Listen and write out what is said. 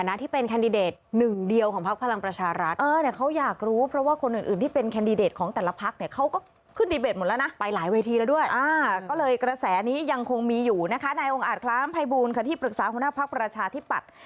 และที่ปรึกษาหัวหน้าภาคประราชาที่ปัด